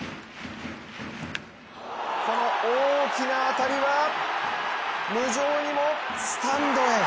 この大きな当たりは無情にもスタンドへ。